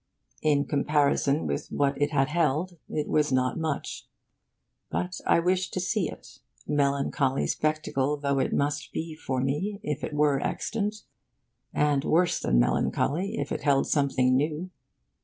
In comparison with what it had held, it was not much. But I wished to see it, melancholy spectacle though it must be for me if it were extant, and worse than melancholy if it held something new.